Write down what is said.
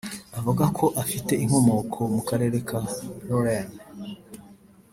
avuga ko afite inkomoko mu Karere ka Lorraine